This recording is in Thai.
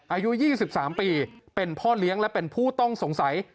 อายุ๒๓ปีเป็นพ่อเลี้ยงและเป็นผู้ต้องสงสัย